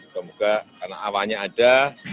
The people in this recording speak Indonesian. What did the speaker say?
semoga karena awalnya ada